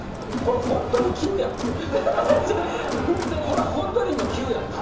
これホントに今急やんな。